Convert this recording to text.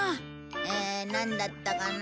えなんだったかな？